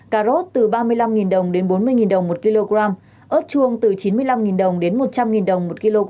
cà rốt từ ba mươi năm đồng đến bốn mươi đồng một kg ớt chuông từ chín mươi năm đồng đến một trăm linh đồng một kg